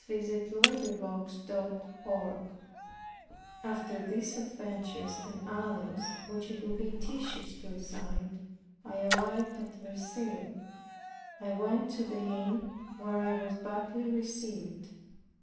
CHAPTER 18 After these adventures, and others which it would be tedious to recite, I arrived at Verceil. I went to the inn, where I was badly received.